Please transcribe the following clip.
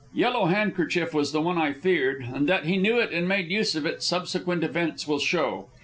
Yellow Handkerchief was the one I feared, and that he knew it and made use of it, subsequent events will show.